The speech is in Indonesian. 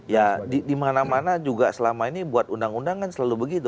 ya dimana mana juga selama ini buat undang undang kan selalu begitu